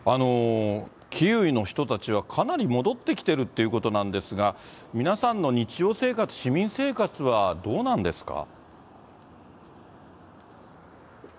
キーウの人たちはかなり戻ってきてるということなんですが、皆さんの日常生活、市民生活はどうなんですか。